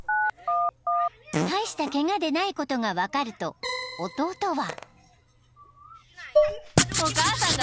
［大したケガでないことが分かると弟は］